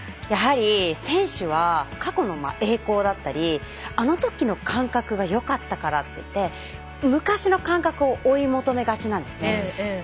やはり選手は過去の栄光だったりあのときの感覚がよかったからっていって昔の感覚を追い求めがちなんですね。